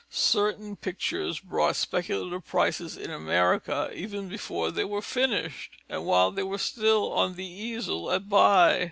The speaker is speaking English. Certain pictures brought speculative prices in America even before they were finished and while they were still on the easel at By.